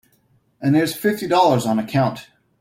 And here's fifty dollars on account.